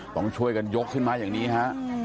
ต้องช่วยกันยกขึ้นมาอย่างนี้ฮะ